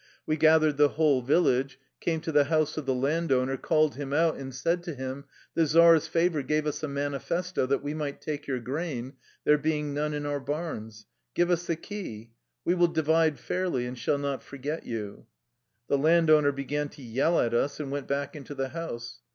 We gathered the whole village, came to the house of the land owner, called him out, and said to him :"' The czar's favor gave us a manifesto that we might take your grain, there being none in our barns. Give us the key. We will divide fairly, and shall not forget you.' " The landowner began to yell at us, and went back into the house.